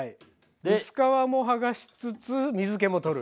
薄皮も剥がしつつ水けも取る。